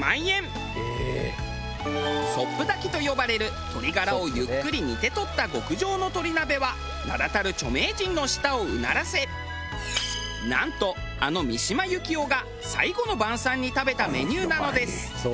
ソップ炊きと呼ばれる鶏ガラをゆっくり煮てとった極上の鳥鍋は名だたる著名人の舌をうならせなんとあの三島由紀夫が最後の晩餐に食べたメニューなのです。